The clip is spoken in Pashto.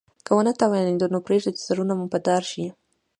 که ونه توانیدو نو پریږده سرونه مو په دار شي.